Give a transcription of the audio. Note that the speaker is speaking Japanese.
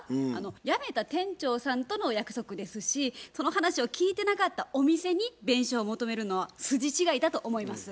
辞めた店長さんとの約束ですしその話を聞いてなかったお店に弁償を求めるのは筋違いだと思います。